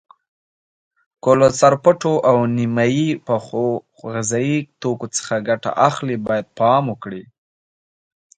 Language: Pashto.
که له سرپټو او نیم پخو غذایي توکو څخه ګټه اخلئ باید پام وکړئ.